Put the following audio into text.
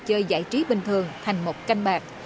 chơi giải trí bình thường thành một canh bạc